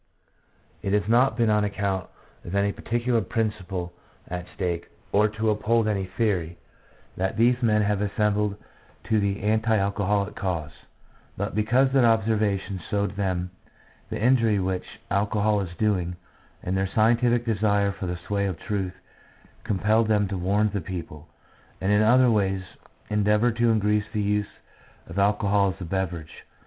It has not been on account of any particular principle at stake, or to uphold any theory, that these men have assembled to the anti alcoholic cause; but because their observations showed them the injury which alcohol is doing, and their scientific desire for the sway of truth compelled them to warn the people, and in other ways endeavour to decrease the use of alcohol as a beverage.